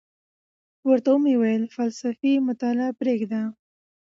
ورته ومي ویل فلسفي مطالعه پریږده،